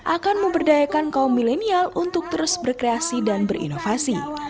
akan memberdayakan kaum milenial untuk terus berkreasi dan berinovasi